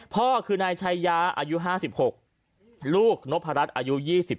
พ่อคือนายชายาอายุ๕๖ลูกนพรัชอายุ๒๓